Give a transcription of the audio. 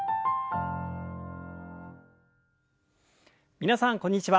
皆さんこんにちは。